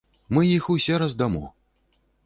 Мы іх усе раздамо.